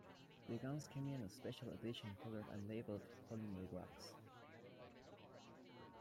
The guns came in a Special Edition colored and labeled polymer box.